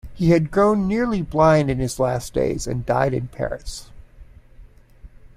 He had grown nearly blind in his last days, and died in Paris.